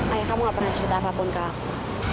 ayah kamu gak pernah cerita apapun ke aku